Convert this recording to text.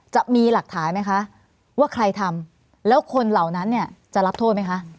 จะมีหลักฐานไหมคะว่าใครทำแล้วคนเหล่านั้นเนี่ยจะรับโทษไหมคะ